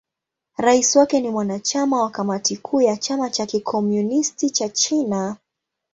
Rais wake ni mwanachama wa Kamati Kuu ya Chama cha Kikomunisti cha China.